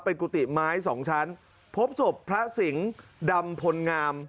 เป็นกุฏิไม้สองชั้นพบศพพระสิงห์ดำพลงาม